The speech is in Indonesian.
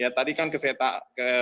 ya tadi kan kesehatan